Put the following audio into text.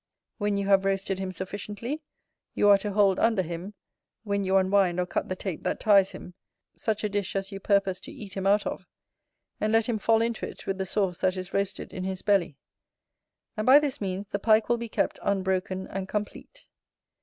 When you have roasted him sufficiently, you are to hold under him, when you unwind or cut the tape that ties him, such a dish as you purpose to eat him out of; and let him fall into it with the sauce that is roasted in his belly; and by this means the Pike will be kept unbroken and complete.